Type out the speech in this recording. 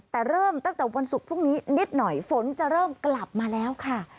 แต่เริ่มตั้งแต่วันศุกร์พรุ่งนี้นิดหน่อยฝนจะเริ่มกลับมาแล้วค่ะ